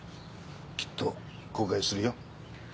きっと後悔するよ。